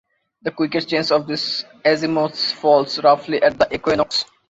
The quickest change of these azimuths falls roughly at the Equinox.